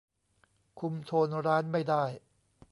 คุมโทนร้านไม่ได้